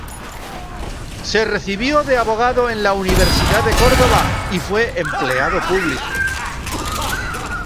Se recibió de abogado en la Universidad de Córdoba y fue empleado público.